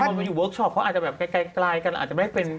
พอมาอยู่เวิร์คชอปเขาอาจจะแบบไกลกันอาจจะไม่ได้เป็น